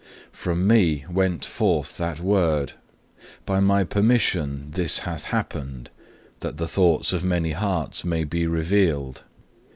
From Me went forth that word, by My permission this hath happened, that the thoughts of many hearts may be revealed.